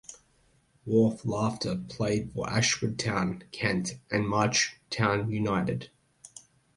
Waugh later played for Ashford Town (Kent) and March Town United.